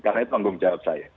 karena itu anggung jawab saya